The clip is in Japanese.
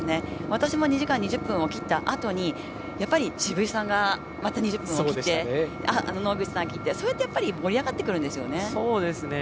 私も２時間２０分を切ったあとに渋井さんがまた２０分を切って野口さん切ってそうやって盛り上がってくるんですよね。